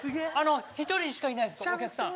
１人しかいないですお客さん。